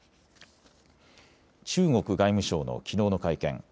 中国外務省のきのうの会見。